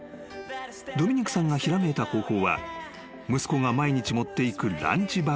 ［ドミニクさんがひらめいた方法は息子が毎日持っていくランチ